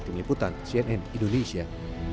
pengiputan cnn indonesia